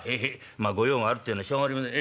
まあ御用があるっていうのはしょうがありませんええ。